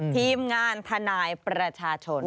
ทีมงานทนายประชาชน